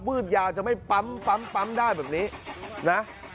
ืดยาวจะไม่ปั๊มได้แบบนี้นะ